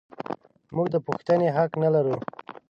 موږ د پوښتنې حق نه لرو.